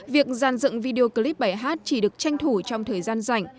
việc dàn dựng video clip bài hát chỉ được tranh thủ trong thời gian rảnh